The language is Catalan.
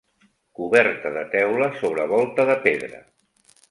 Coberta de teula sobre volta de pedra.